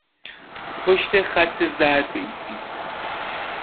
پشت خط زرد بایستید.